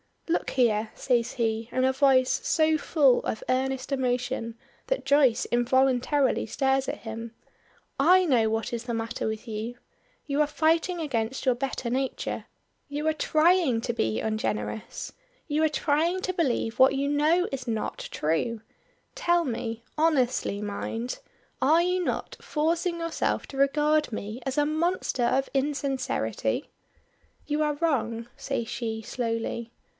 "Look here!" says he, in a voice so full of earnest emotion that Joyce involuntarily stares at him; "I know what is the matter with you. You are fighting against your better nature. You are trying to be ungenerous. You are trying to believe what you know is not true. Tell me honestly mind are you not forcing yourself to regard me as a monster of insincerity?" "You are wrong," says she, slowly.